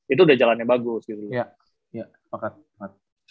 itu udah jalannya bagus gitu